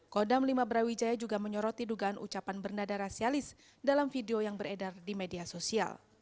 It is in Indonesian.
kodam lima brawijaya juga menyoroti dugaan ucapan bernada rasialis dalam video yang beredar di media sosial